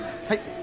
はい。